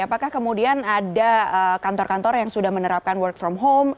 apakah kemudian ada kantor kantor yang sudah menerapkan work from home